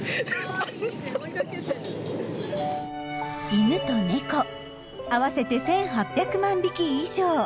犬と猫合わせて１，８００万匹以上。